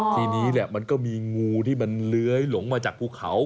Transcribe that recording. ทีนี้มันก็มีงูที่มันเลื้อยหลงมาจากภูเขา